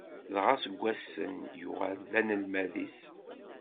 Dɣa seg wass-n yuɣal d anelmad-is.